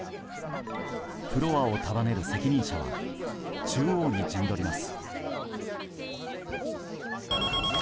フロアを束ねる責任者は中央に陣取ります。